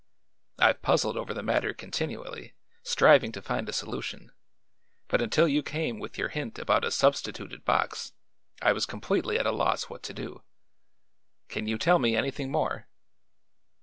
I've puzzled over the matter continually, striving to find a solution, but until you came with your hint about a substituted box I was completely at a loss what to do. Can you tell me anything more?"